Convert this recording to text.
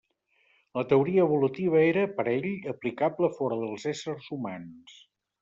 La teoria evolutiva era, per ell, aplicable fora dels d'éssers humans.